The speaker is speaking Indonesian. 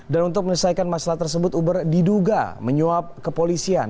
dan untuk menyelesaikan masalah tersebut uber diduga menyuap kepolisian